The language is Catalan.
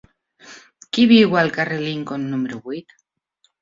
Qui viu al carrer de Lincoln número vuit?